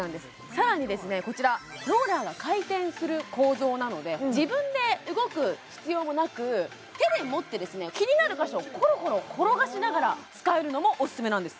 さらにこちらローラーが回転する構造なので自分で動く必要もなく手で持って気になる箇所をコロコロ転がしながら使えるのもオススメなんです